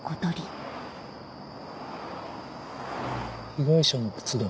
被害者の靴だ。